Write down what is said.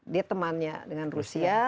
dia temannya dengan rusia